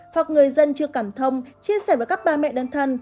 hoặc người dân chưa cảm thông chia sẻ với các bà mẹ đơn thân